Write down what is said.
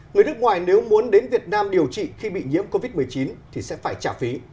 người nước ngoài nếu muốn đến việt nam điều trị khi bị nhiễm covid một mươi chín thì sẽ phải trả phí